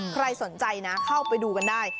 ใครสนใจนะเข้าไปดูกันได้